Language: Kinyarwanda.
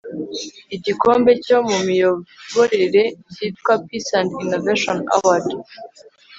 igikombe cyo mu miyoborere cyitwa peace and innovation award